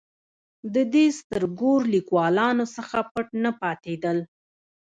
د دې سترګور لیکوالانو څخه پټ نه پاتېدل.